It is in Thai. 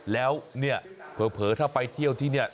แล้วเนี่ยเผลอถ้าไปเที่ยวที่นี่